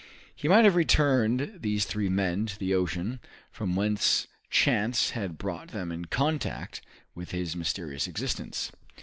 He might have returned these three men to the ocean, from whence chance had brought them in contact with his mysterious existence.